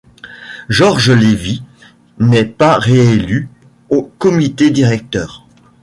Georges Lévy n'est pas réélu au comité directeur.